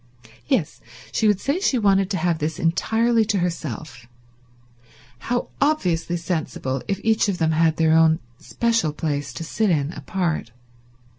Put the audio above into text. Yes, she would say she wanted to have this entirely to herself. How obviously sensible if each of them had their own special place to sit in apart.